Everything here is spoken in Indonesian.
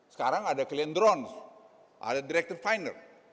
sekarang ada klien drone ada director finder